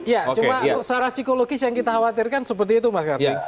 ya cuma secara psikologis yang kita khawatirkan seperti itu mas kartini